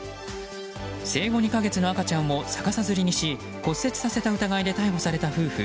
生後２か月の赤ちゃんを逆さづりにし骨折させた疑いで逮捕された夫婦。